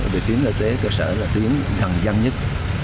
điều tuyến y tế cơ sở là tuyến gần gian nhất